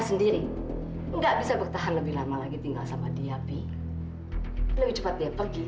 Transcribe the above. sendiri enggak bisa bertahan lebih lama lagi tinggal sama diabe lebih cepat dia pergi